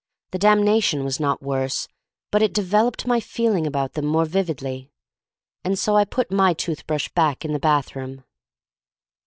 The damnation was not worse, but it developed my feeling about them more vividly. And so I put my tooth brush back in the bathroom.